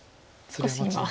少し今。